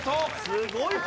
すごい。